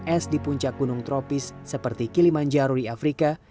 es di puncak gunung tropis seperti kilimanjaro di afrika